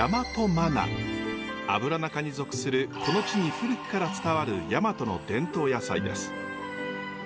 アブラナ科に属するこの地に古くから伝わる大和の伝統野菜です。